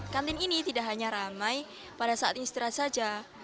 kantin ini tidak hanya ramai pada saat istirahat saja